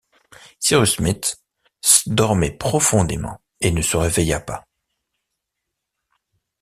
Cyrus Smith dormait profondément et ne se réveilla pas.